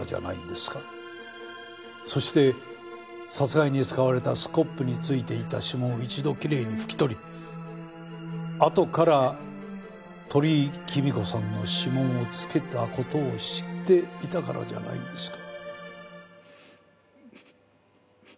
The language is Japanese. そして殺害に使われたスコップに付いていた指紋を一度きれいに拭き取りあとから鳥居貴美子さんの指紋を付けた事を知っていたからじゃないんですか？